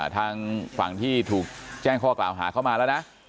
ทางฝั่งที่ถูกแจ้งข้อกล่าวหาเข้ามาแล้วนะ